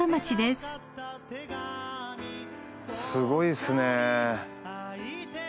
すごいっすね。